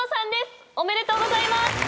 おめでとうございます！